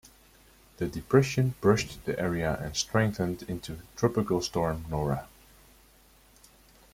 The depression brushed the area and strengthened into Tropical Storm Nora.